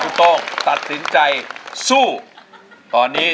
พี่ต้องรู้หรือยังว่าเพลงอะไร